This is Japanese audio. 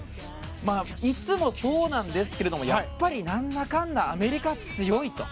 いつもそうなんですがやっぱりなんだかんだアメリカ、強いと。